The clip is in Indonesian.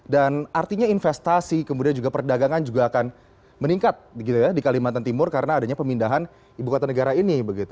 dan artinya investasi kemudian juga perdagangan juga akan meningkat di kalimantan timur karena adanya pemindahan ibu kota negara ini